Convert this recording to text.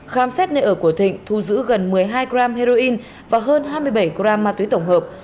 khám xét nơi ở của thịnh thu giữ gần một mươi hai g heroin và hơn hai mươi bảy gram ma túy tổng hợp